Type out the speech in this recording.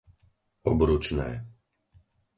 Obručné